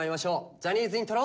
ジャニーズイントロ。